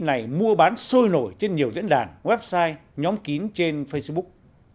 này mua bán sôi nổi trên nhiều diễn đàn website nhóm kín trên facebook